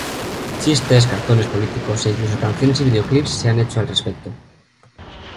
Chistes, cartones políticos e incluso canciones y videoclips se han hecho al respecto.